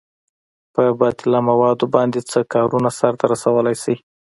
په باطله موادو باندې څه کارونه سرته رسولئ شئ؟